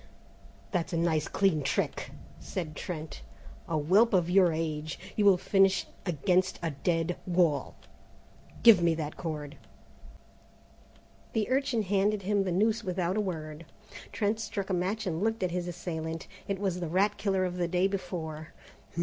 "That's a nice clean trick," said Trent; "a whelp of your age! You'll finish against a dead wall! Give me that cord!" The urchin handed him the noose without a word. Trent struck a match and looked at his assailant. It was the rat killer of the day before.